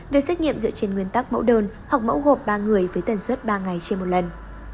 việc xét nghiệm dựa trên nguyên tắc mẫu đơn hoặc mẫu gộp ba người với tần suất ba ngày trên một lần